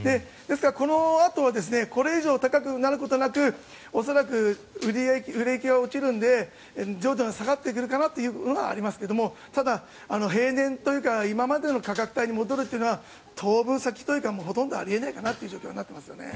このあとこれ以上高くなることなく恐らく、売れ行きが落ちるので徐々に下がってくるかなというのがありますがただ、平年というか今までの価格帯に戻るというのは当分先というかほとんどあり得ないかなという状況になっていますね。